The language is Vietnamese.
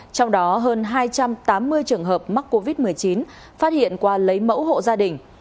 trong đó hơn hai trăm tám mươi trường hợp mắc covid một mươi chín phát hiện qua lấy mẫu hộ gia đình